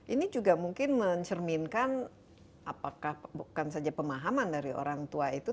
ini juga mungkin mencerminkan apakah bukan saja pemahaman dari orang tua itu